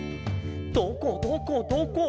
「どこどこどこ？」